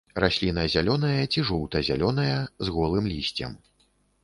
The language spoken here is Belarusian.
Расліна зялёная ці жоўта-зялёная з голым лісцем.